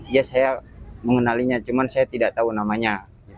iya saya mengenalinya cuman saya tidak tau namanya